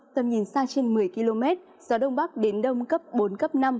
tầm nhìn xa trên một mươi km gió đông bắc đến đông cấp bốn cấp năm